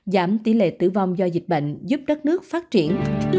giảm tỷ lệ tử vong do dịch bệnh giúp đất nước phát triển